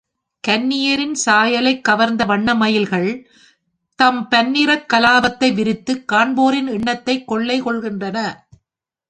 கன்னியரின் சாயலைக் கவர்ந்த வண்ணமயில்கள், தம் பன்னிறக் கலாபத்தை விரித்துக் காண்போரின் எண்ணத்தைக் கொள்ளை கொள்கின்றன.